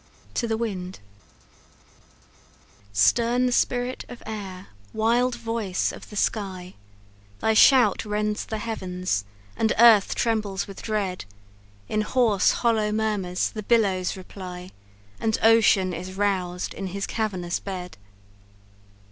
To The Wind. "Stern spirit of air, wild voice of the sky! Thy shout rends the heavens, and earth trembles with dread; In hoarse hollow murmurs the billows reply, And ocean is roused in his cavernous bed.